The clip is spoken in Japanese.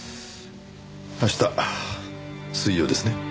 明日水曜ですね。